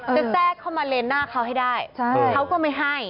แทรกเข้ามาเลนหน้าเขาให้ได้เขาก็ไม่ให้